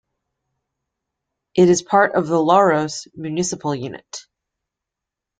It is part of the Louros municipal unit.